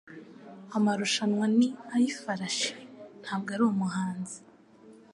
Amarushanwa ni ayifarashi, ntabwo ari umuhanzi.